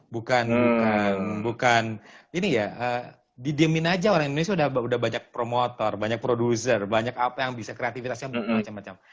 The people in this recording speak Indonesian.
bukan bukan ini ya didiemin aja orang indonesia udah banyak promotor banyak produser banyak apa yang bisa kreativitasnya macam macam